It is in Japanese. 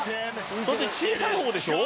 「だって小さい方でしょ？